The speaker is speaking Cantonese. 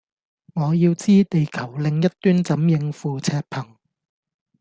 我要知地球另一端怎應付赤貧